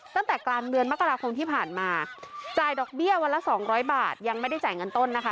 ตั้งแต่กลางเดือนมกราคมที่ผ่านมาจ่ายดอกเบี้ยวันละสองร้อยบาทยังไม่ได้จ่ายเงินต้นนะคะ